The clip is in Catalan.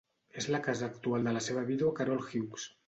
És la casa actual de la seva vídua Carol Hugues.